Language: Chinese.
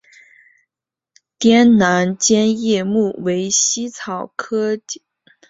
滇南尖叶木为茜草科尖叶木属下的一个种。